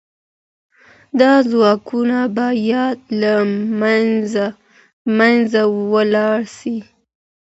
دا ځواکونه به يا له منځه ولاړ سي.